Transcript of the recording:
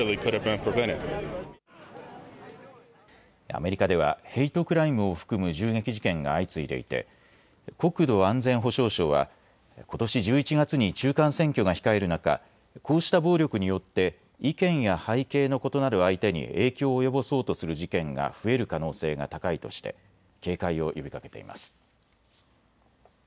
アメリカではヘイトクライムを含む銃撃事件が相次いでいて、国土安全保障省はことし１１月に中間選挙が控える中、こうした暴力によって意見や背景の異なる相手に影響を及ぼそうとする事件が増える可能性が高いとして警戒を呼びかけています。